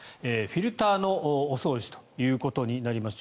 フィルターのお掃除ということになります。